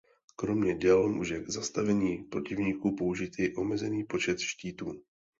Kromě děl může k zastavení protivníků použít i omezený počet štítů.